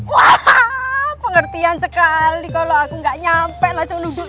wah pengertian sekali kalau aku nggak nyampe langsung duduk